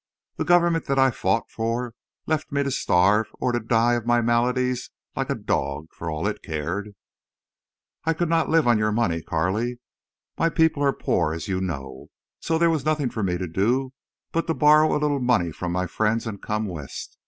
The government that I fought for left me to starve, or to die of my maladies like a dog, for all it cared. I could not live on your money, Carley. My people are poor, as you know. So there was nothing for me to do but to borrow a little money from my friends and to come West.